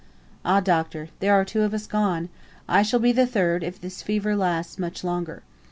"Ah, Doctor, there are two of us gone. I shall be the third, if this fever lasts much longer."